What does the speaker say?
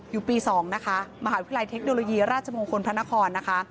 อยู่ปี๒นะคะมหาวิทยาลัยเทคโนโลยีราชมงคลพระนครนะคะ